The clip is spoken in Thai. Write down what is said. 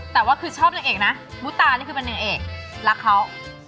แต่ว่าคือชอบนางเอกนะมุตานี่คือเป็นนางเอกรักเขา